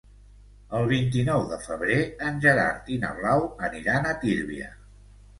El vint-i-nou de febrer en Gerard i na Blau aniran a Tírvia.